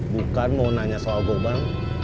bukan mau nanya soal korban